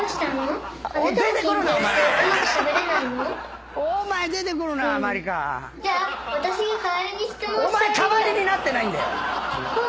お前代わりになってないんだよ！